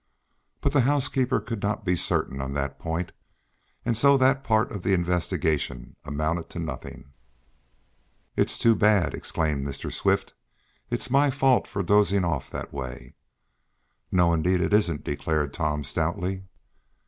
But the housekeeper could not be certain on that point, and so that part of the investigation amounted to nothing. "It's too bad!" exclaimed Mr. Swift. "It's my fault, for dozing off that way." "No, indeed, it isn't!" declared Tom stoutly.